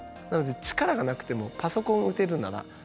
なので力がなくてもパソコンを打てるなら。